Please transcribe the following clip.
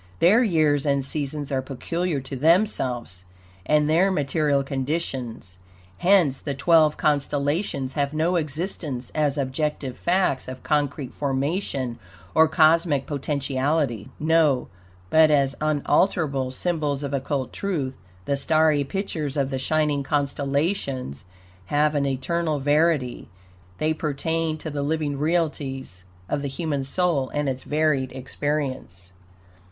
Their years and seasons are peculiar to themselves and their material conditions; hence the twelve constellations have no existence as objective facts of concrete formation or cosmic potentiality. No! But as unalterable symbols of occult truth, the starry pictures of the shining constellations have an eternal verity. They pertain to the living realities of the human soul and its varied experience.